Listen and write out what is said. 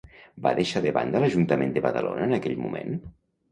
Va deixar de banda l'Ajuntament de Badalona en aquell moment?